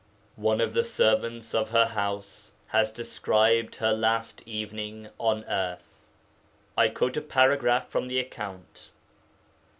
One of the servants of the house has described her last evening on earth. I quote a paragraph from the account.